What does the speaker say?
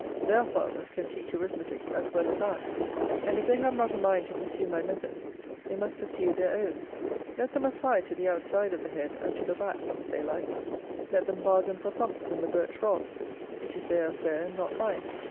Their fathers can teach arithmetic as well as I; and if they have not a mind to pursue my method, they must pursue their own. Let them apply to the outside of the head and to the back, if they like; let them bargain for thumps and the birch rod; it is their affair and not mine.